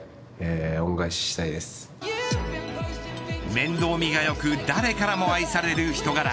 面倒見がよく誰からも愛される人柄。